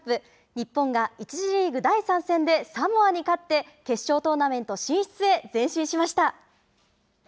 日本が１次リーグ第３戦でサモアに勝って、決勝トーナメント進出へ前進しました。